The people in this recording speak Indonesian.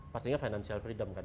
pastinya financial freedom kan